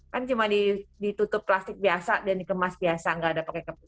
kan cuma ditutup plastik biasa dan dikemas biasa gak ada yang pake kemas